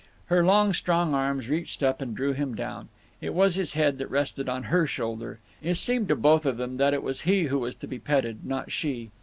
Her long strong arms reached up and drew him down. It was his head that rested on her shoulder. It seemed to both of them that it was he who was to be petted, not she.